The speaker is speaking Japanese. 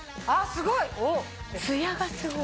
すごい！